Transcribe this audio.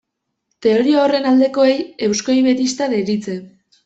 Teoria horren aldekoei eusko-iberista deritze.